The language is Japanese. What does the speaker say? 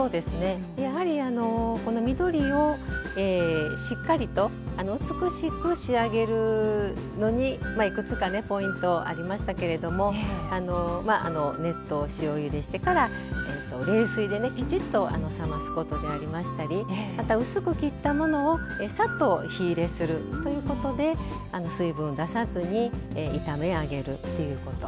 やはり、この緑をしっかりと美しく仕上げるのにいくつかポイントありましたけれども熱湯、塩ゆでしてから冷水できちっと冷ますことだったりまた薄く切ったものをさっと火入れするということで水分を出さずに炒めあげるっていうこと。